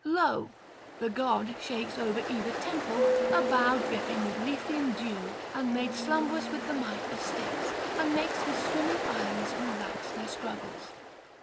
Lo! the god shakes over either temple a bough dripping with Lethean dew and made slumberous with the might of Styx, and makes his swimming eyes relax their struggles.